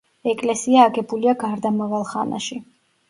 ეკლესია აგებულია გარდამავალ ხანაში.